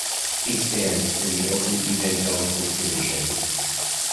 He stands in the open evangelical tradition.